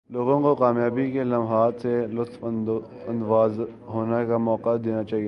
لوگوں کو کامیابی کے لمحات سے لطف اندواز ہونے کا موقع دینا چاہئے